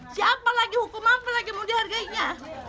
siapa lagi hukum apa lagi mau dihargainya